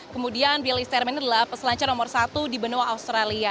kemudian billy stairman ini adalah peselancar nomor satu di benua australia